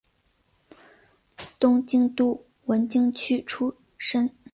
东京都文京区出身。